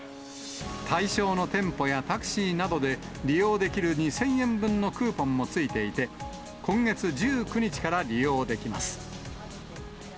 対象の店舗やタクシーなどで利用できる２０００円分のクーポンもついていて、今月１９日から利用できます。